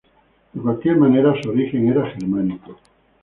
De cualquier manera su origen era germánico.